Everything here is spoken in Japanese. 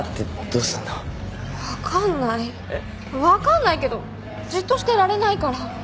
分かんないけどじっとしてられないから。